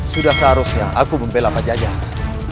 sudah seharusnya aku membela pak jajaran